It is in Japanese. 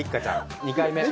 ２回目。